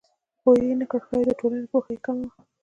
خو ویې نه کړ ښایي د ټولنې پوهه یې کمه وي